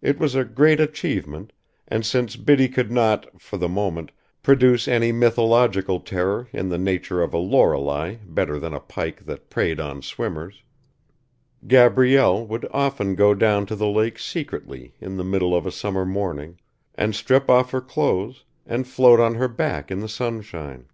It was a great achievement, and since Biddy could not, for the moment, produce any mythological terror in the nature of a Loreley better than a pike that preyed on swimmers, Gabrielle would often go down to the lake secretly in the middle of a summer morning, and strip off her clothes and float on her back in the sunshine.